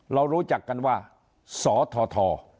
เรารู้จักกันว่าสท